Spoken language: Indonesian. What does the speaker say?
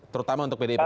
terutama untuk pdip